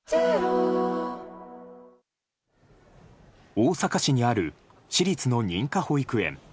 大阪市にある私立の認可保育園。